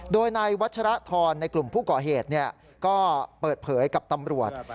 โดยนายวัชรธรในกลุ่มผู้ก่อเหตุก็เปิดเผยกับตำรวจ